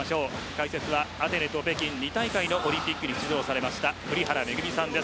解説はアテネと北京２大会のオリンピックに出場された栗原恵さんです。